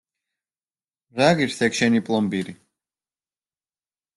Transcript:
რა ღირს ეგ შენი პლომბირი?